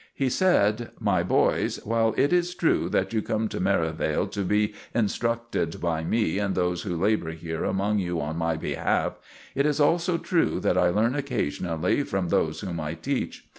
He said: "My boys, while it is true that you come to Merivale to be instructed by me and those who labor here among you on my behalf, it is also true that I learn occasionally from those whom I teach.